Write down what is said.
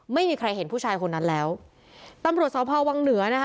ไม่มีใครเห็นผู้ชายคนนั้นแล้วตำรวจสพวังเหนือนะคะ